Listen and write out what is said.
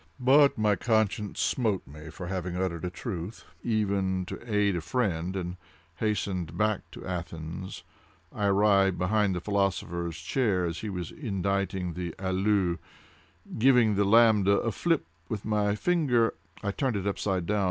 But my conscience smote me for having uttered a truth, even to aid a friend, and hastening back to Athens, I arrived behind the philosopher's chair as he was inditing the 'αυλος.' "Giving the lambda a fillip with my finger, I turned it upside down.